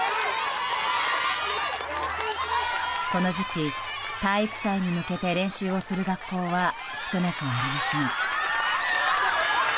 この時期、体育祭に向けて練習をする学校は少なくありません。